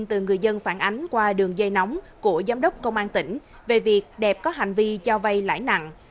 từ người dân phản ánh qua đường dây nóng của giám đốc công an tỉnh về việc đẹp có hành vi cho vay lãi nặng